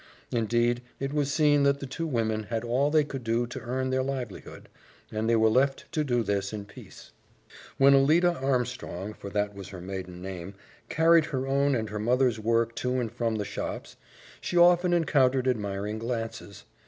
Indeed, it was seen that the two women had all they could do to earn their livelihood, and they were left to do this in peace. When Alida Armstrong for that was her maiden name carried her own and her mother's work to and from the shops, she often encountered admiring glances.